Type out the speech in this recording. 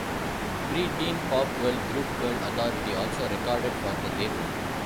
Pre-teen pop girl group Girl Authority also recorded for the label.